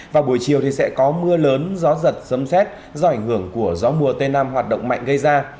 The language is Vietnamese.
vào buổi chiều thì sẽ có mưa lớn gió giật sâm xét do ảnh hưởng của gió mùa tây nam hoạt động mạnh gây ra